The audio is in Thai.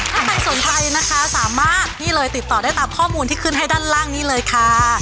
ถ้าใครสนใจนะคะสามารถนี่เลยติดต่อได้ตามข้อมูลที่ขึ้นให้ด้านล่างนี้เลยค่ะ